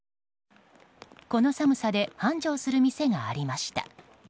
この寒さで繁盛する店がありました。